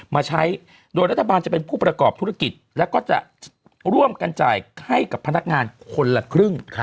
มาใช้โดยรัฐบาลจะเป็นผู้ประกอบธุรกิจแล้วก็จะร่วมกันจ่ายให้กับพนักงานคนละครึ่ง